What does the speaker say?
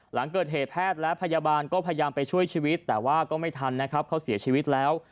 หลังเกิดเหตุแพทย์และพยาบาลก็พยายามไปช่วยชีวิตแต่ว่าก็ไม่ทันนะครับเขาเสียชีวิตแล้ว